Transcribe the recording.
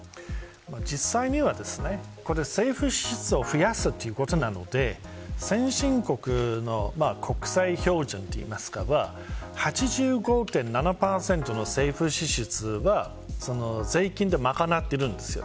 実際には政府支出を増やすということなので先進国の国債標準といいますか８５．７％の政府支出は税金で賄っているんです。